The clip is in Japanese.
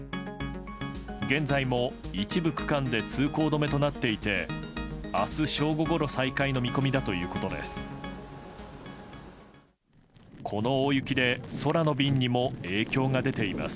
現在も一部区間で通行止めとなっていて明日正午ごろ再開の見込みだということです。